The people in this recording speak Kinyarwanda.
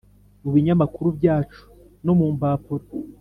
mu binyamakuru byacu no mu mpapuro